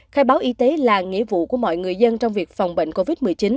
khai báo y tế là nghĩa vụ của mọi người dân trong việc phòng bệnh covid một mươi chín